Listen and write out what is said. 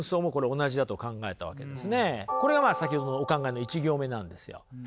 これが先ほどのお考えの１行目なんですよ。